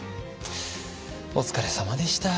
お疲れさまでした。